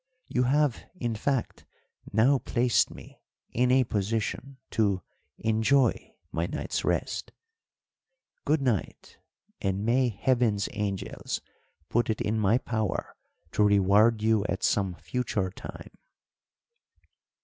You have, in fact, now placed me in a position to enjoy my night's rest. Good night, and may Heaven's angels put it in my power to reward you at some future time!"